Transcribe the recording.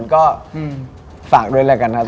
ก็ฝากด้วยแล้วกันนะครับ